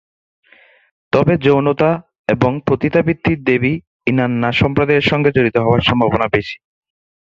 তবে যৌনতা এবং পতিতাবৃত্তির দেবী ইনান্না সম্প্রদায়ের সঙ্গে জড়িত হবার সম্ভবনা বেশি।